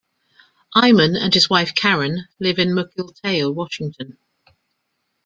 Eyman and his wife Karen live in Mukilteo, Washington.